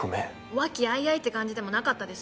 和気あいあいって感じでもなかったです？